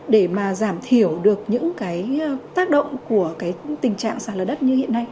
để mà giảm thiểu được những tác động của tình trạng sạt lở đất như hiện nay